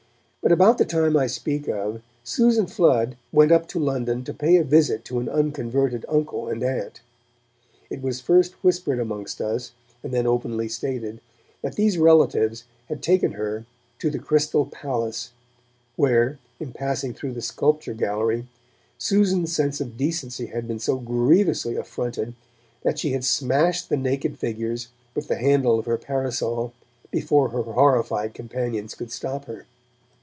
But about the time I speak of, Susan Flood went up to London to pay a visit to an unconverted uncle and aunt. It was first whispered amongst us, and then openly stated, that these relatives had taken her to the Crystal Palace, where, in passing through the Sculpture Gallery, Susan's sense of decency had been so grievously affronted, that she had smashed the naked figures with the handle of her parasol, before her horrified companions could stop her.